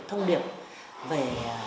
thông điệp về